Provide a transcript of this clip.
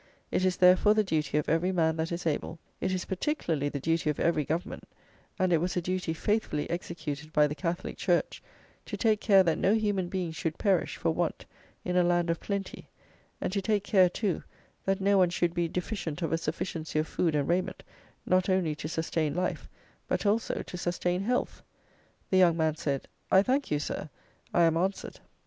It is, therefore, the duty of every man that is able; it is particularly the duty of every government, and it was a duty faithfully executed by the Catholic Church, to take care that no human being should perish for want in a land of plenty; and to take care, too, that no one should be deficient of a sufficiency of food and raiment, not only to sustain life, but also to sustain health." The young man said: "I thank you, Sir; I am answered."